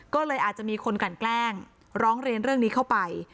ก็เลยอาจจะมีคนกลั่นแกล้งร้องเรียนเรื่องนี้เข้าไป